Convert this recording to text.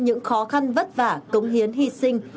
những khó khăn vất vả cống hiến hy sinh